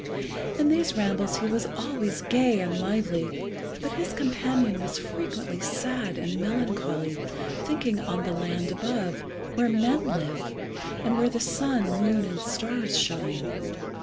In these rambles he was always gay and lively, but his companion was frequently sad and melancholy, thinking on the land above, where men live, and where the sun, moon, and stars shine.